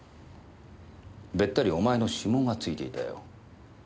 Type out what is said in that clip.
べったりお前の指紋がついていたよ。